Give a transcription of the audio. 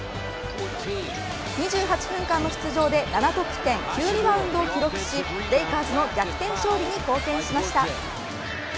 ２８分間の出場で７得点、９リバウンドを記録しレイカーズの逆転勝利に貢献しました。